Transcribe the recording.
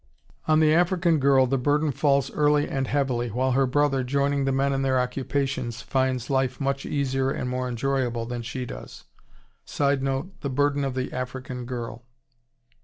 On the African girl the burden falls early and heavily, while her brother, joining the men in their occupations, finds life much easier and more enjoyable than she does. [Sidenote: The burden of the African girl.